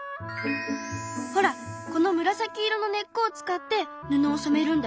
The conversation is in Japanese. ほらこの紫色の根っこを使って布を染めるんだよ。